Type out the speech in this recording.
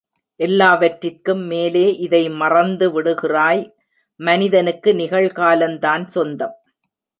எல்லாவற்றிற்கும் மேலே இதை மறந்துவிடுகிறாய் மனிதனுக்கு நிகழ்காலந்தான் சொந்தம்.